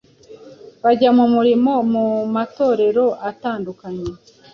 bajya mu murimo mu matorero atandukanye.